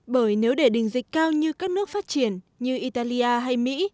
bởi nếu để đỉnh dịch cao như các nước phát triển như italia hay mỹ